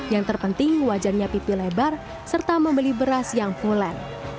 yang terpenting wajarnya pipi lebar serta membeli beras yang fuller